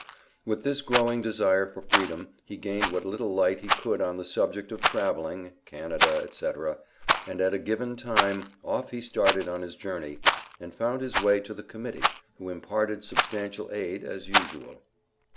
With this growing desire for freedom he gained what little light he could on the subject of traveling, Canada, etc., and at a given time off he started on his journey and found his way to the Committee, who imparted substantial aid as usual.